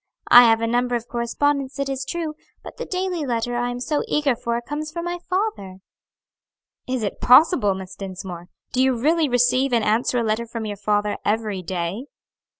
I have a number of correspondents, it is true; but the daily letter I am so eager for comes from my father." "Is it possible, Miss Dinsmore! do you really receive and answer a letter from your father every day?"